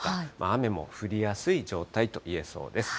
雨も降りやすい状態といえそうです。